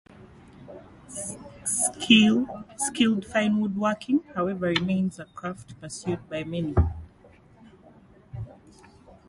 Skilled fine woodworking, however, remains a craft pursued by many.